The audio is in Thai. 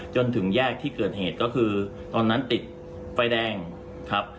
จนถึงแยกที่เกิดเหตุก็คือตอนนั้นติดไฟแดงครับ